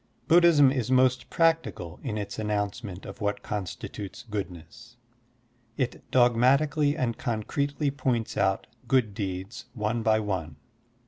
Buddhism is most practical in its announcement of what consti tutes goodness. It dogmatically and concretely points out good deeds one by one.